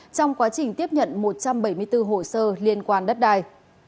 trong quá trình tiếp nhận một trăm bảy mươi bốn hồ sơ liên quan đất đai